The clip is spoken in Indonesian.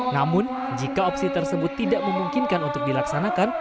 namun jika opsi tersebut tidak memungkinkan untuk dilaksanakan